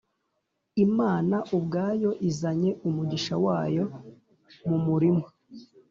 imana ubwayo izanye umugisha wayo mumurima